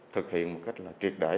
thực hiện một cách là triệt để